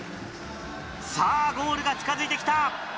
さぁゴールが近づいてきた。